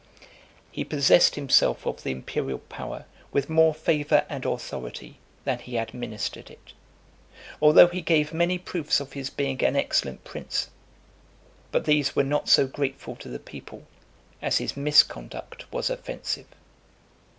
XIV. He possessed himself of the imperial power with more favour and authority than he administered it, although he gave many proofs of his being an excellent prince: but these were not so grateful to the people, as his misconduct was offensive.